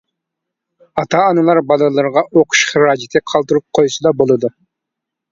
ئاتا-ئانىلار بالىلىرىغا ئوقۇش خىراجىتى قالدۇرۇپ قويسىلا بولىدۇ.